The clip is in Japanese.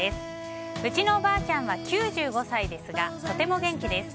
うちのおばあちゃんは９５歳ですがとても元気です。